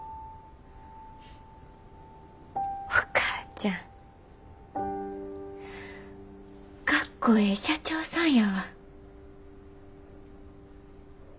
お母ちゃんかっこええ社長さんやわ。